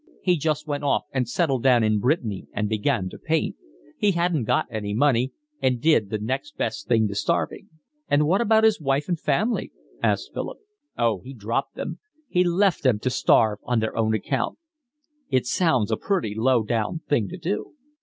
He just went off and settled down in Brittany and began to paint. He hadn't got any money and did the next best thing to starving." "And what about his wife and family?" asked Philip. "Oh, he dropped them. He left them to starve on their own account." "It sounds a pretty low down thing to do."